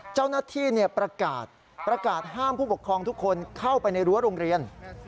เจ้าหน้าที่ประกาศห้ามผู้ปกครองทุกคนเข้าไปในรั้วโรงเรียน